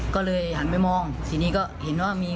ก็เลยหันไปมองทีนี้ก็เห็นว่ามี